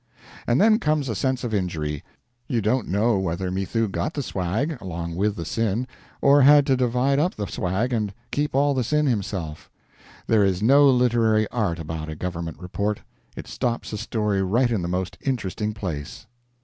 And then comes a sense of injury: you don't know whether Mithoo got the swag, along with the sin, or had to divide up the swag and keep all the sin himself. There is no literary art about a government report. It stops a story right in the most interesting place.